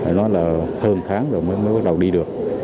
nói là hơn tháng rồi mới bắt đầu đi được